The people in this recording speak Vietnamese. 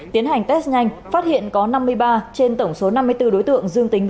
tiến hành test nhanh phát hiện có năm mươi ba trên tổng số năm mươi bốn đối tượng dương tính với